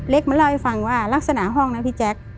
มาเล่าให้ฟังว่ารักษณะห้องนะพี่แจ๊ค